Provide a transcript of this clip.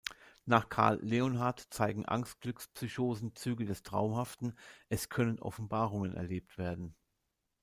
Nach Karl Leonhard zeigen Angst-Glücks-Psychosen Züge des Traumhaften, es können Offenbarungen erlebt werden.